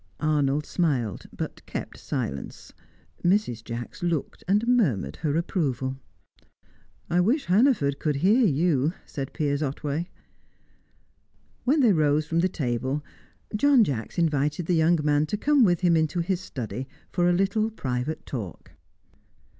Arnold smiled, but kept silence. Mrs. Jacks looked and murmured her approval. "I wish Hannaford could hear you," said Piers Otway. When they rose from the table, John Jacks invited the young man to come with him into his study for a little private talk.